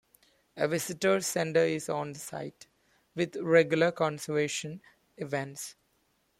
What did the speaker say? A visitor's centre is on site, with regular conservation events.